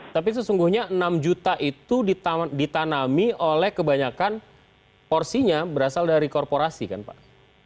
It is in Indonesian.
tapi sesungguhnya enam juta itu ditanami oleh kebanyakan porsinya berasal dari korporasi kan pak